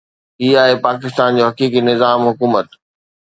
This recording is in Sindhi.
هي آهي پاڪستان جو حقيقي نظام حڪومت.